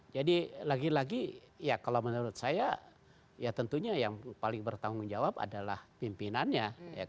jadi lagi lagi ya kalau menurut saya ya tentunya yang paling bertanggung jawab adalah pimpinannya